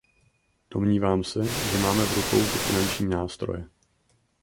Domnívám se, že máme v rukou ty finanční nástroje.